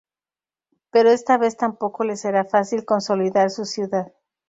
Pero esta vez tampoco le será fácil consolidar su ciudad.